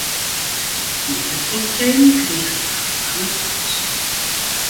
Nei it optreden krigen hja in lang applaus.